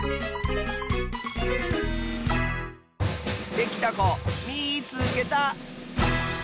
できたこみいつけた！